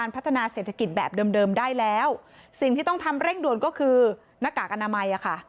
พัฒนาเศรษฐกิจแบบเดิมได้แล้วสิ่งที่ต้องทำเร่งด่วนก็คือหน้ากากอนามัยอ่ะค่ะ